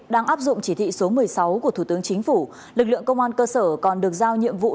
đang áp dụng chỉ thị số một mươi sáu của thủ tướng chính phủ lực lượng công an cơ sở còn được giao nhiệm vụ